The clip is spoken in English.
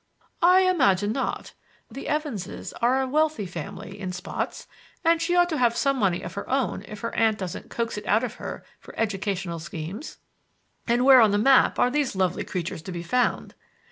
"I imagine not. The Evanses are a wealthy family, in spots, and she ought to have some money of her own if her aunt doesn't coax it out of her for educational schemes." "And where on the map are these lovely creatures to be found?"